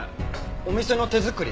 お店の手作り？